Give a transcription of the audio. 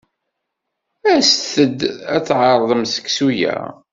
Aset-d ad tɛerḍem seksu-a.